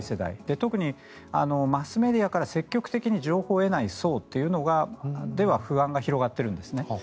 特に、マスメディアから積極的に情報を得ない層では不安が広がっているんですね。